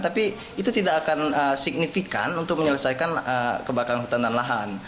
tapi itu tidak akan signifikan untuk menyelesaikan kebakaran hutan dan lahan